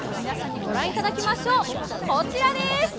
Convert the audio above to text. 皆さんに御覧いただきましょう、こちらです！